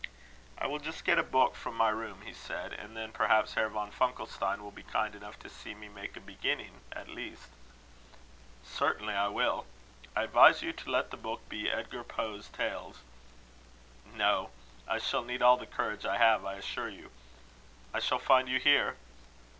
"I will just get a book from my room," he said; "and then perhaps Herr von Funkelstein will be kind enough to see me make a beginning at least." "Certainly I will. And I advise you to let the book be Edgar Poe's Tales." "No. I shall need all the courage I have, I assure you. I shall find you here?"